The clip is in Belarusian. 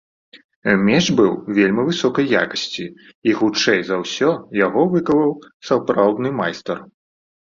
Меч быў вельмі высокай якасці і, хутчэй за ўсё, яго выкаваў сапраўдны майстар.